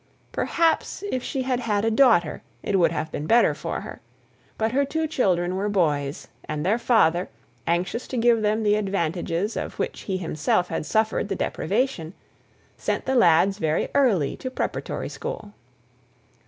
Perhaps if she had had a daughter it would have been better for her: but her two children were boys, and their father, anxious to give them the advantages of which he himself had suffered the deprivation, sent the lads very early to a preparatory school.